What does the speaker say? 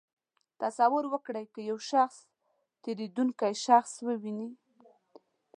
تصور وکړئ که یو شخص تېرېدونکی شخص وویني.